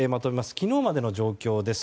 昨日までの状況です。